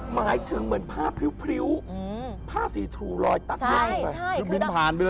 หมายถึงเหมือนผ้าพริวผ้าสีถูลอยตักลงไป